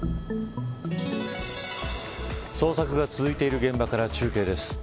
捜索が続いている現場から中継です。